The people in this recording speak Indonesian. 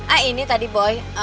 ah ini tadi boy